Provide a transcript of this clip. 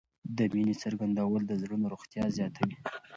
د مینې څرګندول د زړونو روغتیا زیاتوي.